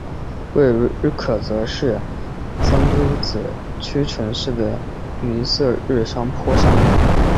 位于日喀则市桑珠孜区城西的尼色日山坡上。